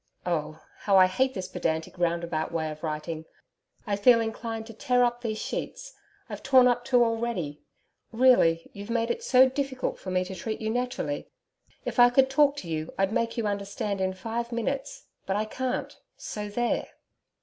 Oh, how I hate this pedantic roundabout way of writing! I feel inclined to tear up these sheets I've torn up two already. Really, you've made it so difficult for me to treat you naturally. If I could talk to you, I'd make you understand in five minutes but I can't so there!